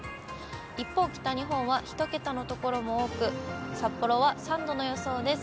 一方、北日本は１桁の所も多く、札幌は３度の予想です。